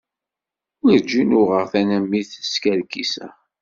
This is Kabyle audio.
Werǧin uɣeɣ tanamit skerkiseɣ.